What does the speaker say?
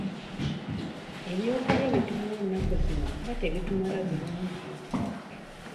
Ebyokulya bye mutuwa ennaku zino nga tebitumala bulungi?